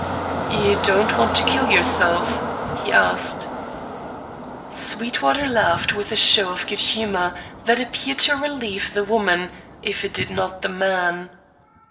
"You don't want to kill yourself?" he asked. Sweetwater laughed with a show of good humour that appeared to relieve the woman, if it did not the man.